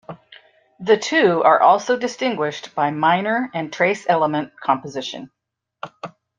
The two are also distinguished by minor and trace element composition.